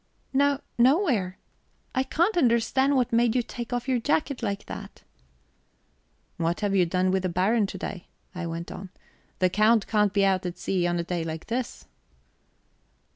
"No nowhere ... I can't understand what made you take off your jacket like that ..." "What have you done with the Baron to day?" I went on. "The Count can't be out at sea on a day like this."